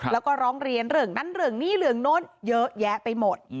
แล้วก็ร้องเรียนเรื่องนั้นเรื่องนี้เรื่องโน้นเยอะแยะไปหมด